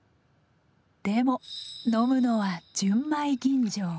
でも飲むのは純米吟醸。